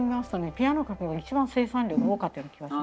ピアノかけが一番生産量が多かったような気がします。